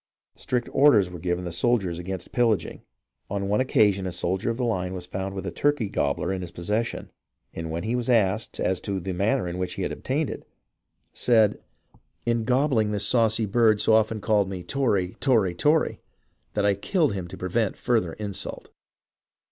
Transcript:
Strict orders were given the soldiers against pillaging. On one occasion a soldier of the line was found with a turkey gobbler in his possession, and when he was asked as to the manner in which he had obtained it, said, " In his STORIES OF THE WAR IN THE SOUTH 355 gobbling this saucy bird so often called me * Tory ! Tory! Tory !' that I killed him to prevent further insult."